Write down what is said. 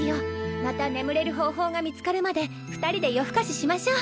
また眠れる方法が見つかるまで２人で夜更かししましょう。